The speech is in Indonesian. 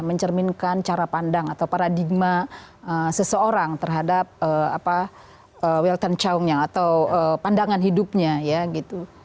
mencerminkan cara pandang atau paradigma seseorang terhadap welcome chow nya atau pandangan hidupnya ya gitu